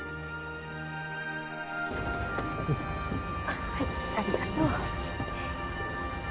あっはいありがとう。